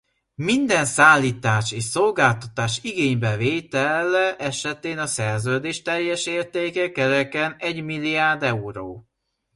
Minden szállítás és szolgáltatás igénybevétele esetén a szerződés teljes értéke kereken egymilliárd euró.